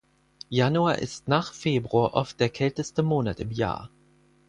Januar ist nach Februar oft der kälteste Monat im Jahr.